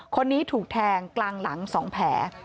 คนนี้ถูกแทงกลางหลัง๒แผล